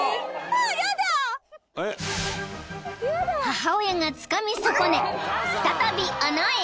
［母親がつかみ損ね再び穴へ］